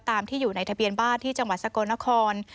ที่อยู่ในทะเบียนบ้านที่จังหวัดสกลนคร